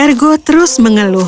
ergo terus mengeluh